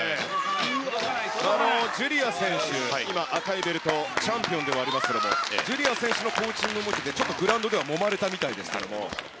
このジュリア選手、赤いベルト、チャンピオンではありますけれども、ジュリア選手のコーチングもちょっとでは、もまれたみたいですけども。